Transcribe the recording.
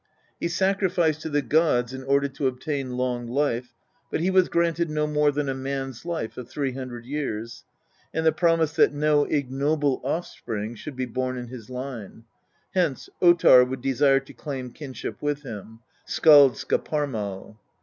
He sacrificed to the gods in order to obtain long life, but he was granted no more than " a man's life " of three hundred years, and the promise that no ignoble offspring should be born in his line hence Ottar would desire to claim kinship with him (Skald * skaparmal).